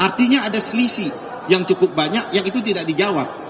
artinya ada selisih yang cukup banyak yang itu tidak dijawab